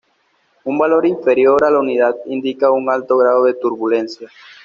Un valor inferior a la unidad indica un alto grado de turbulencia.